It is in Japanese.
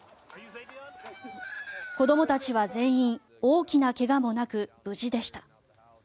子どもたちは全員大きな怪我もなく無事でした。